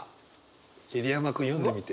桐山君読んでみて。